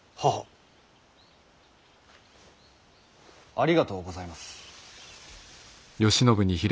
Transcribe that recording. ありがとうございます。